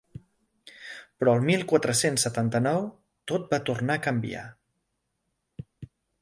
Però el mil quatre-cents setanta-nou tot va tornar a canviar.